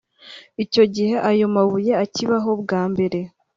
Icyo gihe ayo mabuye akibaho bwa mbere